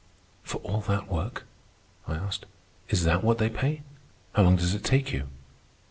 "For all that work?" I asked. "Is that what they pay? How long does it take you?"